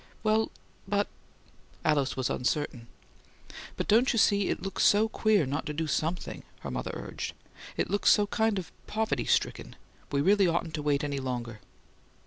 "Well but " Alice was uncertain. "But don't you see, it looks so queer, not to do SOMETHING?" her mother urged. "It looks so kind of poverty stricken. We really oughtn't to wait any longer."